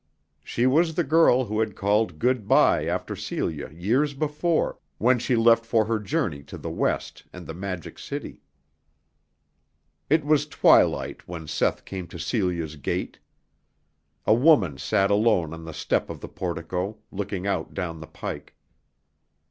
She was the girl who had called good by after Celia years before, when she left for her journey to the West and the Magic City. It was twilight when Seth came to Celia's gate. A woman sat alone on the step of the portico, looking out down the pike.